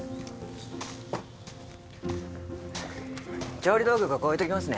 調理道具ここ置いときますね。